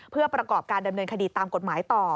เพื่อประกอบการดำเนินคดีตามกฎหมายต่อ